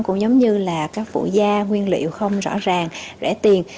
cũng giống như là các phụ da nguyên liệu không rõ ràng rẻ tiền